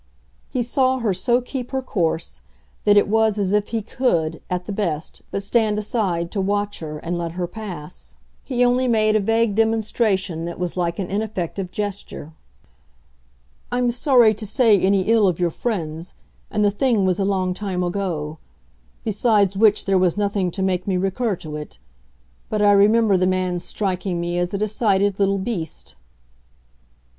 He saw her so keep her course that it was as if he could, at the best, but stand aside to watch her and let her pass; he only made a vague demonstration that was like an ineffective gesture. "I'm sorry to say any ill of your friends, and the thing was a long time ago; besides which there was nothing to make me recur to it. But I remember the man's striking me as a decided little beast."